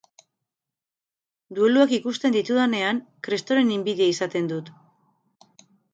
Dueluak ikusten ditudanean, kristoren inbidia izaten dut.